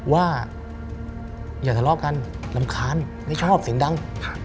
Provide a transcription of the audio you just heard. ว่าอย่าทะเลาะกันรำคาญไม่ชอบเสียงดัง